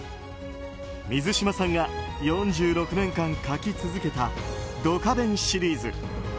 水島さんが４６年間描き続けた「ドカベン」シリーズ。